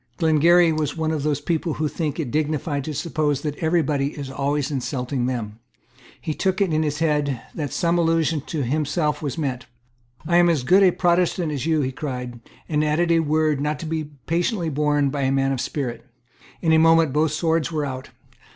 Glengarry was one of those people who think it dignified to suppose that every body is always insulting them. He took it into his head that some allusion to himself was meant. "I am as good a Protestant as you." he cried, and added a word not to be patiently borne by a man of spirit. In a moment both swords were out.